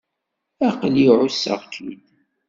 Aql-i εusseɣ-k-id.